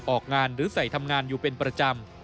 ออกงานหรือใส่ทำงานอยู่เป็นประจำ